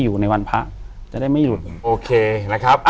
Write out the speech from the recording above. อยู่ที่แม่ศรีวิรัยิลครับ